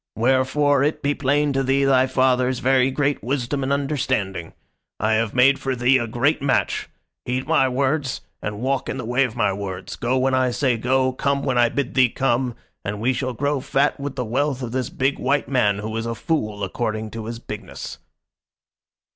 Wherefore it be plain to thee thy father's very great wisdom and understanding. I have made for thee a great match. Heed my words and walk in the way of my words, go when I say go, come when I bid thee come, and we shall grow fat with the wealth of this big white man who is a fool according to his bigness."